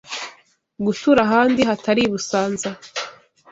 gutura ahandi hatari i Busanza